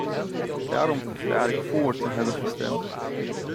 Daarom verklaar ik vóór te hebben gestemd.